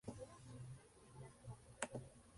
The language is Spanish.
Ordenados según la fecha de captura y reclusión.